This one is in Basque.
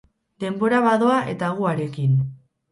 Denbora badoa eta gu harekin.